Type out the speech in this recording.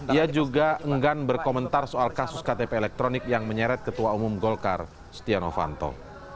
ia juga enggan berkomentar soal kasus ktp elektronik yang menyeret ketua umum golkar stiano fanto